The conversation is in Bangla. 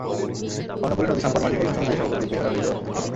কর্ণফুলী নদী সাম্পান মাঝি কল্যাণ সমিতির সভাপতি পেয়ার আলীরও একই মত।